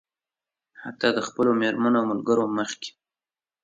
حتيٰ د خپلو مېرمنو او ملګرو مخکې.